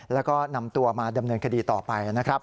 แล้วก็นำตัวมาดำเนินคดีต่อไปนะครับ